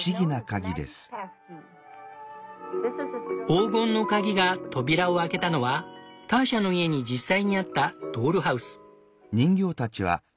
黄金の鍵が扉を開けたのはターシャの家に実際にあったドールハウス。